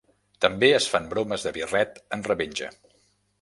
També es fan bromes de birret en revenja.